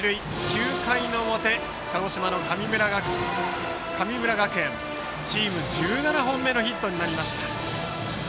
９回の表、鹿児島・神村学園チーム１７本目のヒットになりました。